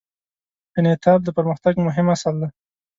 انعطاف د پرمختګ مهم اصل دی.